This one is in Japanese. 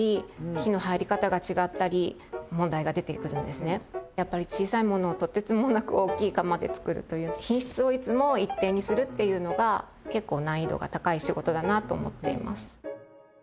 なのでやっぱり小さいものをとてつもなく大きい釜でつくるという品質をいつも一定にするっていうのが結構難易度が高い仕事だなと思っています。